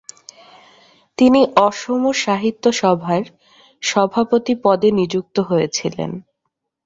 তিনি অসম সাহিত্য সভার সভাপতি পদে নিযুক্ত হয়েছিলেন।